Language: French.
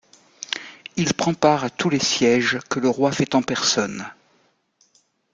Il prend part à tous les sièges que le roi fait en personne.